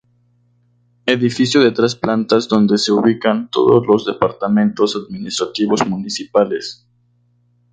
Edificio de tres plantas donde se ubican todos los departamentos administrativos municipales.